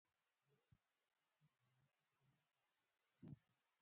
ژورې سرچینې د افغانانو ژوند اغېزمن کوي.